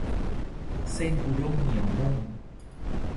เส้นอุด้งเหนียวนุ่ม